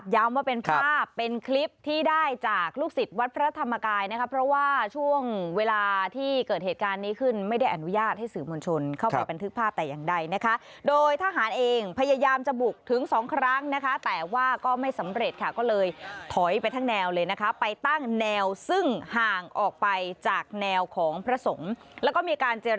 ว่าเป็นภาพเป็นคลิปที่ได้จากลูกศิษย์วัดพระธรรมกายนะคะเพราะว่าช่วงเวลาที่เกิดเหตุการณ์นี้ขึ้นไม่ได้อนุญาตให้สื่อมวลชนเข้าไปบันทึกภาพแต่อย่างใดนะคะโดยทหารเองพยายามจะบุกถึงสองครั้งนะคะแต่ว่าก็ไม่สำเร็จค่ะก็เลยถอยไปทั้งแนวเลยนะคะไปตั้งแนวซึ่งห่างออกไปจากแนวของพระสงฆ์แล้วก็มีการเจร